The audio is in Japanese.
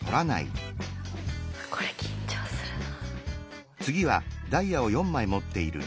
これ緊張するな。